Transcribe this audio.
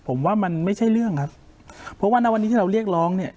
ผมว่ามันไม่ใช่เรื่องครับเพราะว่าณวันนี้ที่เราเรียกร้องเนี่ย